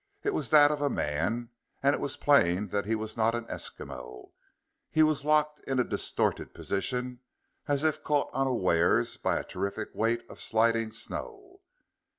It was that of a man, and it was plain that he was not an Eskimo. He was locked in a distorted position, as if caught unawares by a terrific weight of sliding snow.